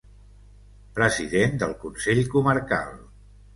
President del Consell Comarcal.